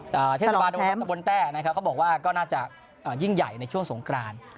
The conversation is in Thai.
เทศบาลข้าวบ้นแต้นะครับเขาบอกว่าก็น่าจะยิ่งใหญ่ในช่วงสงกราน